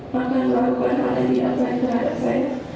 maka terlalu banyak dirapai terhadap saya